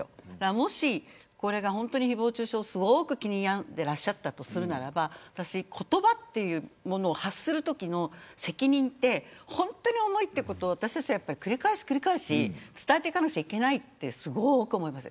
もしこれが誹謗中傷を気に病んでいたとするならば言葉というものを発するときの責任は本当に重いということを繰り返し繰り返し伝えていかなきゃいけないと思います。